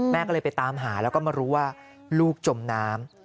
แม่ก็เลยไปตามหาแล้วก็มารู้ว่าลูกจมน้ำ